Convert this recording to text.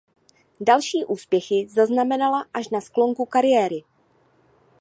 Další úspěchy zaznamenala až na sklonku kariéry.